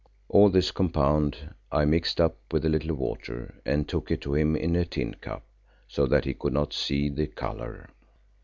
All this compound I mixed up with a little water and took it to him in a tin cup so that he could not see the colour.